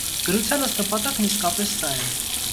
Գրությանս նպատակն իսկապես սա է: